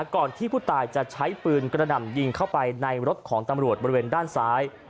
ก่อนที่ผู้ตายจะใช้ปืนกระหน่ำยิงเข้าไปในรถของตำรวจบริเวณด้านซ้าย